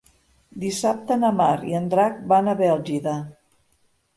Dissabte na Mar i en Drac van a Bèlgida.